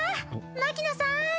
牧野さん。